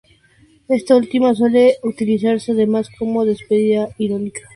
Esta última suele utilizarse además como despedida irónica.